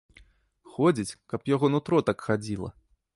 Ходзіць, каб яго нутро так хадзіла!